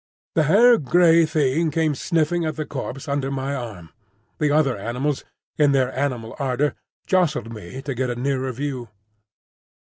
The hairy grey Thing came sniffing at the corpse under my arm. The other animals, in their animal ardour, jostled me to get a nearer view.